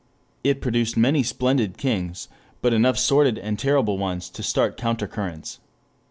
It produced many splendid things, but enough sordid and terrible ones to start counter currents.